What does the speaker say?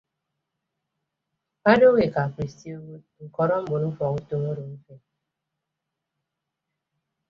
Odooho eka kristi obot ñkọrọ mbon ufọkutom odo mfen.